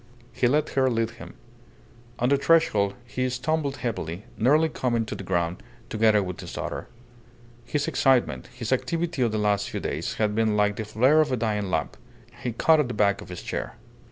He let her lead him. On the threshold he stumbled heavily, nearly coming to the ground together with his daughter. His excitement, his activity of the last few days, had been like the flare of a dying lamp. He caught at the back of his chair.